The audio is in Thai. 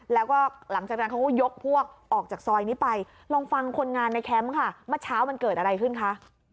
แล้วก็หลังจากนั้นเขาก็ยกพวกออกจากซอยนี้ไปลองฟังคนงานในแคมป์ค่ะเมื่อเช้ามันเกิดอะไรขึ้นคะ